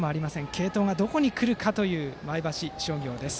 継投がどこに来るかという前橋商業です。